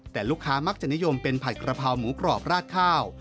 แต่ลูกค้ามักจะนิยมเป็นผัดกระเพราหมูกรอบราดข้าว